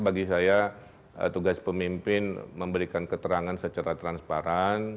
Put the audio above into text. bagi saya tugas pemimpin memberikan keterangan secara transparan